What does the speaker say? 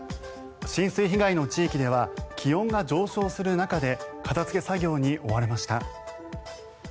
浸水被害の地域では気温が上昇する中で片付け作業に追われました。